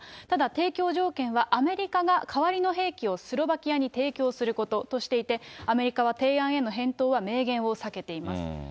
ただ、提供条件は、アメリカが代わりの兵器をスロバキアに提供することとしていて、アメリカは提案への返答は明言を避けています。